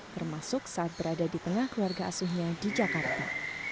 termasuk saat berada di tengah keluarga asuhnya di jakarta